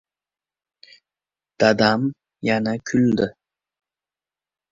— Dadam yana kuldi.